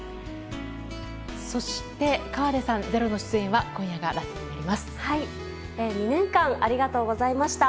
そして、河出さん「ｚｅｒｏ」の出演は２年間ありがとうございました。